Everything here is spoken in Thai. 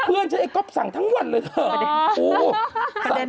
เพื่อนฉันก็ก๊อบสั่งทั้งวันเลยเถอะ